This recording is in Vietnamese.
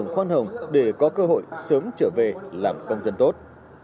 khoan hồng để có cơ hội sớm trở về làm công dân tốt